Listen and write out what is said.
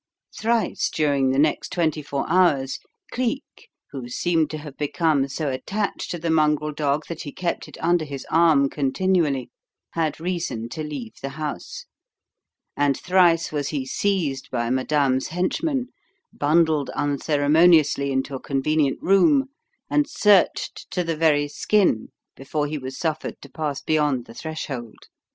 III Thrice during the next twenty four hours Cleek, who seemed to have become so attached to the mongrel dog that he kept it under his arm continually, had reason to leave the house, and thrice was he seized by madame's henchmen, bundled unceremoniously into a convenient room, and searched to the very skin before he was suffered to pass beyond the threshold.